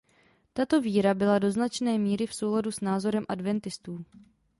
Tato víra byla do značné míry v souladu s názorem adventistů.